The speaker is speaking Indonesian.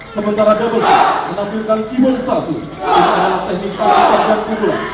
sementara dabesu menampilkan iwan sasu yang adalah teknik pasukan dan kumpulan